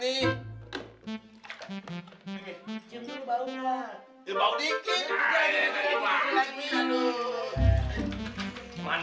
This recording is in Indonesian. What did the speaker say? cincin lo bau kan